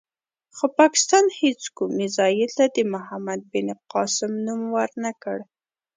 خو پاکستان هېڅ کوم میزایل ته د محمد بن قاسم نوم ور نه کړ.